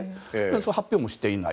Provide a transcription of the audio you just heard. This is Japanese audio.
発表もしていない。